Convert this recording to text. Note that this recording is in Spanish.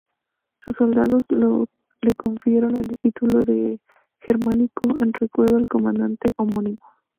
Sus soldados le confirieron el título de Germánico en recuerdo al comandante homónimo.